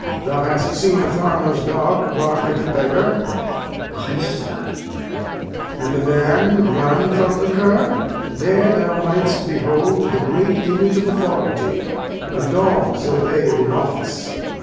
Thou hast seen a Farmer's Dog bark at a Beggar. Glost. Ay, Sir. Lear. And the Man ran from the Curr; there thou might'st behold the great Image of Authority, a Dog's obey'd in Office.